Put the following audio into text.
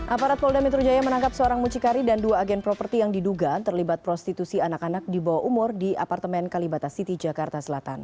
aparat polda metro jaya menangkap seorang mucikari dan dua agen properti yang diduga terlibat prostitusi anak anak di bawah umur di apartemen kalibata city jakarta selatan